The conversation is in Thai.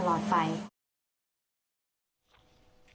เพลงของพ่ออยู่ในใจของพวกเขาตลอดไป